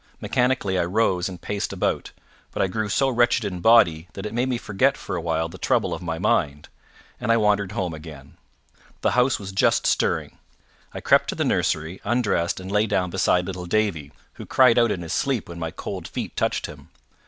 Mechanically I rose and paced about. But I grew so wretched in body that it made me forget for a while the trouble of my mind, and I wandered home again. The house was just stirring. I crept to the nursery, undressed, and lay down beside little Davie, who cried out in his sleep when my cold feet touched him.